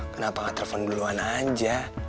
kenapa gak telfon duluan aja